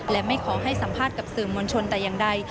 และไม่ขอให้สัมภาษณ์กับสื่อมวลชนแต่อย่างใด